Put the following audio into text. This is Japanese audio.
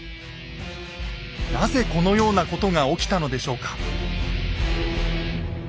なぜこのようなことが起きたのでしょうか？